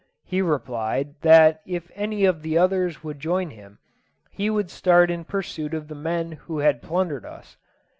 He replied, that if any of the others would join him, he would start in pursuit of the men who had plundered us.